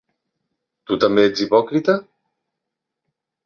Tu també ets hipòcrita?